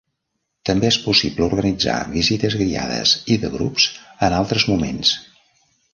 També és possible organitzar visites guiades i de grups en altres moments.